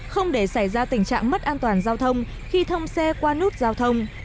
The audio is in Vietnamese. không để xảy ra tình trạng mất an toàn giao thông khi thông xe qua nút giao thông